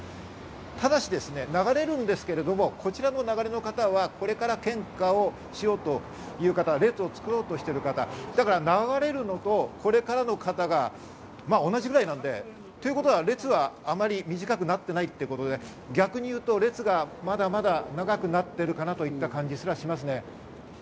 ただし流れるんですけれども、こちらの流れの方はこれから献花をしようという方、列を作ろうとしている方、だから流れるのと、これからの方が同じぐらいなので、ということは列はあまり短くなっていないということで、逆に言うと列がまだまだ長くなっている感じすらします。